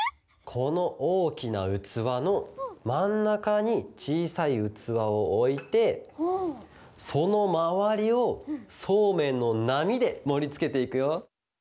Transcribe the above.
このおおきなうつわのまんなかにちいさいうつわをおいてそのまわりをそうめんのなみでもりつけていくよ。